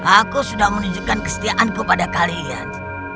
aku sudah menunjukkan kesetiaanku pada kalian